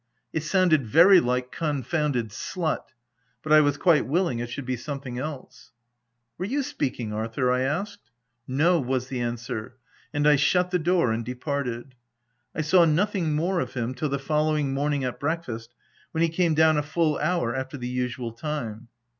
It sounded very like " confounded slut/' but I was quite willing it should be something else. " Were you speaking Arthur ?" I asked. u No," was the answer ; and I shut the door and departed. I saw nothing more of him till the following morning at breakfast, when he came down a full hour after the usual time.